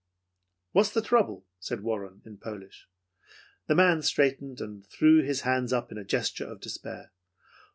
"What's the trouble?" said Warren in Polish. The man straightened, and threw his hands up in a gesture of despair.